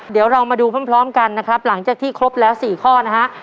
เดี๋ยวเรามาดูพร้อมกันนะครับหลังจากที่ครบแล้ว๔ข้อนะฮะ